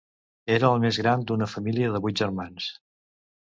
Era el més gran d'una família de vuit germans.